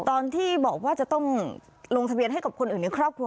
ตอนที่บอกว่าจะต้องลงทะเบียนให้กับคนอื่นในครอบครัว